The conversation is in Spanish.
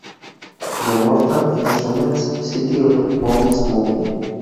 The Mortal Instruments: City of Bones Movie